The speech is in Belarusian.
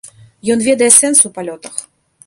Ён ведае сэнс у палётах.